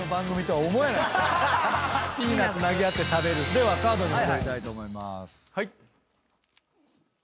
ではカードに戻りたいと思います。